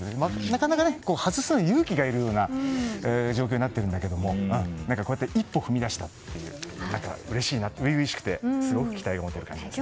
なかなか外すのに勇気がいるような状況になっているんだけれどもこうやって一歩踏み出したことが初々しくてすごく期待が持てました。